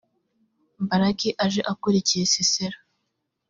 baraki aje akurikiye sisera